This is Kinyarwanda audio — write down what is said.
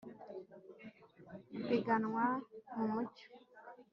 ipiganwa mu mucyo